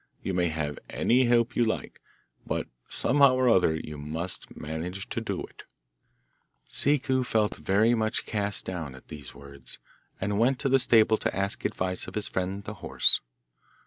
You may have any help you like, but somehow or other you must manage to do it.' Ciccu felt very much cast, down at these words, and went to the stable to ask advice of his friend the horse.